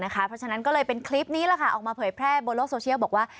เพราะฉะนั้นก็เลยเป็นคลิปนี้แหละค่ะออกมาเผยแพร่บนโลกโซเชียลบอกว่า